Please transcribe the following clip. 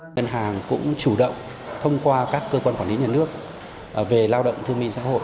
ngân hàng cũng chủ động thông qua các cơ quan quản lý nhà nước về lao động thương minh xã hội